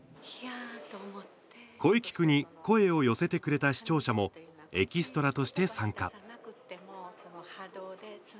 「こえきく！！」に声を寄せてくれた視聴者もエキストラとして参加。